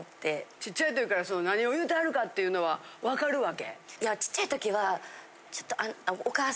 ちっちゃい時からその何を言うてはるかっていうのは分かるわけ？